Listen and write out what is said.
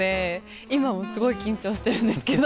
今もすごい緊張してるんですけど。